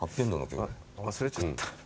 忘れちゃった。